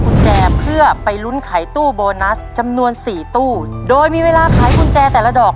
กุญแจเพื่อไปลุ้นไขตู้โบนัสจำนวนสี่ตู้โดยมีเวลาขายกุญแจแต่ละดอก